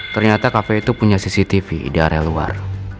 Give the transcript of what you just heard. ternyata kafe itu punya cctv di area luar